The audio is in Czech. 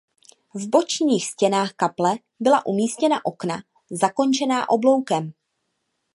V bočních stěnách kaple byla umístěna okna zakončená obloukem.